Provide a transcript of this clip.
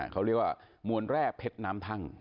เขาเรียกว่ามวลแร่เพชรน้ำทั่ง